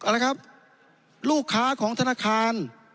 อะไรครับลูกค้าของธนาคาร